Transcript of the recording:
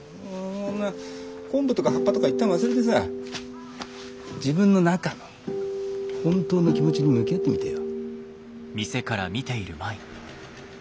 昆布とか葉っぱとか一旦忘れてさ自分の中の本当の気持ちに向き合ってみてよ。